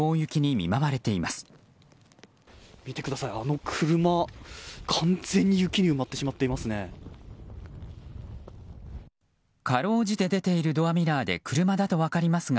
見てください、あの車完全に雪に埋まってしまっていますね。